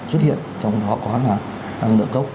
xuất hiện trong đó có là năng lượng cốc